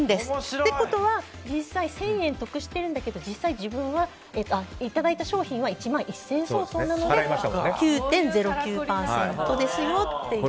ということは実際１０００円得してるんだけど実際、自分がいただいた商品は１万１０００円相当なので９．０９％ですよという。